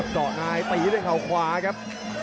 จ้อในฟรีด้วยเขาขวาครับ